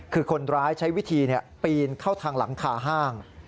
คือคนร้ายใช้วิธีปีนเข้าทางหลังคาห้าง